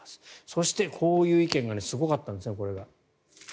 そしてこういう意見がすごかったんですね、これが。